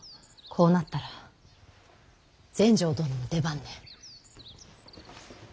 こうなったら全成殿の出番ね。